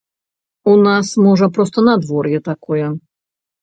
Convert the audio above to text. У нас, можа, проста надвор'е такое.